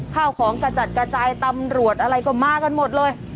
ข้าวของกระจัดกระจายตำรวจอะไรก็มากันหมดเลย